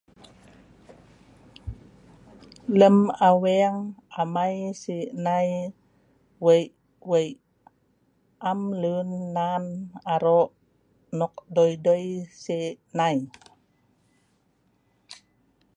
Lem aweeng amai si'nai wei wei. Am luen nan aro' nok doi doi si'nai